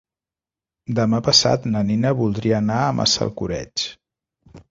Demà passat na Nina voldria anar a Massalcoreig.